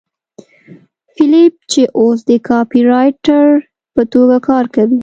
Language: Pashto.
فیلیپ چې اوس د کاپيرایټر په توګه کار کوي